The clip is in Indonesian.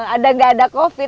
ada enggak ada covid